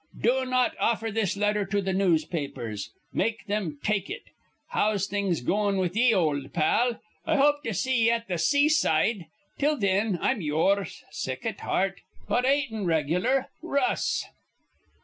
Do not offer this letter to th' newspapers. Make thim take it. How's things goin' with ye, ol' pal? I hope to see ye at th' seaside. Till thin, I'm yours, sick at heart, but atin' reg'lar. RUSS.'"